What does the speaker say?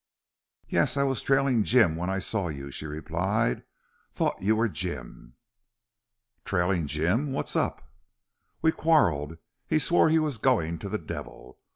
"Yes. I was trailing Jim when I saw you," she replied. "Thought you were Jim." "Trailin' Jim! What's up?" "We quarreled. He swore he was going to the devil.